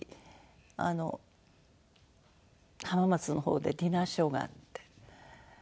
あの浜松の方でディナーショーがあって。